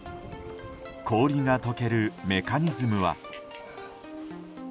氷が解けるメカニズムは？